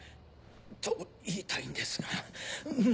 と言いたいんですがん